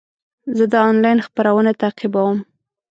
زه د انلاین خپرونه تعقیبوم.